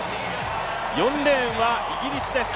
４レーンはイギリスです。